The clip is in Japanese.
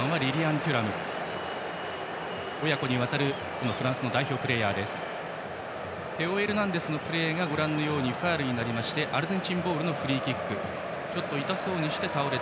テオ・エルナンデスのプレーがファウルになりましてアルゼンチンボールのフリーキック。